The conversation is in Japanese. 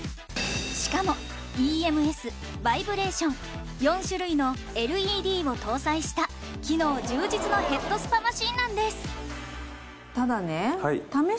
しかもＥＭＳバイブレーション４種類のＬＥＤを搭載した機能充実のヘッドスパマシンなんですただね。